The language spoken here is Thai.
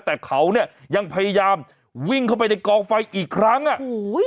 แต่เขาเนี่ยยังพยายามวิ่งเข้าไปในกองไฟอีกครั้งอ่ะโอ้โห